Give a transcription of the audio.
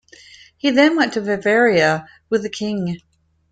He then went to Bavaria with the king.